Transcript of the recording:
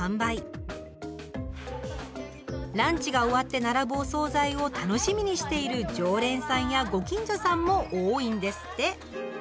ランチが終わって並ぶお総菜を楽しみにしている常連さんやご近所さんも多いんですって。